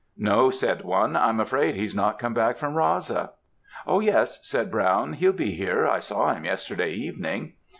"'No,' said one, 'I'm afraid he's not come back from Raasa.' "'Oh, yes,' said Brown, 'he'll be here; I saw him yesterday evening.'